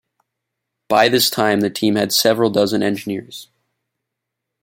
By this time, the team had several dozen engineers.